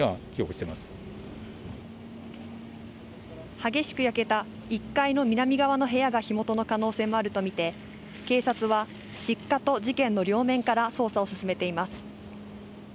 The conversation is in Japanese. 激しく焼けた１階の南側の部屋が火元の可能性もあるとみて警察は失火と事件の両面から捜査を進めています。